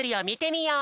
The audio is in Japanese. みよう！